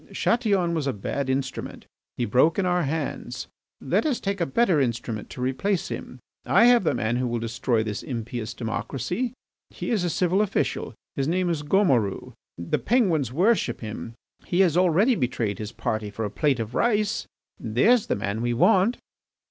Chatillon was a bad instrument; he broke in our hands. Let us take a better instrument to replace him. I have the man who will destroy this impious democracy. He is a civil official; his name is Gomoru. The Penguins worship him, He has already betrayed his party for a plate of rice. There's the man we want!"